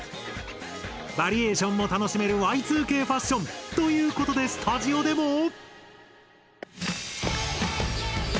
バリエーションも楽しめるＹ２Ｋファッション！ということでスタジオでも。